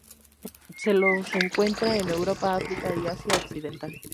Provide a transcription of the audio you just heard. Se los encuentra en Europa, África y Asia occidental.